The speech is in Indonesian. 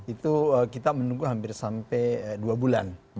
itu kita menunggu hampir sampai dua bulan